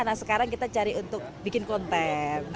nah sekarang kita cari untuk bikin konten